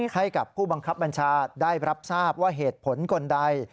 ให้กับผู้บังคับบัญชาได้รับทราบว่าเหตุผลคนใด